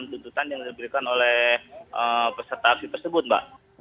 tuntutan yang diberikan oleh peserta aksi tersebut mbak